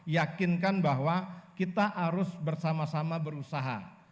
yakinkan bahwa kita harus bersama sama berusaha